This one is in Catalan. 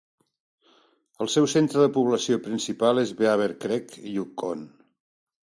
El seu centre de població principal és Beaver Creek, Yukon.